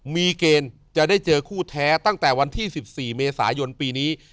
มีเกณฑ์จะได้เจอคู่แท้ตั้งแต่วันที่๑๔เมษายนปีนี้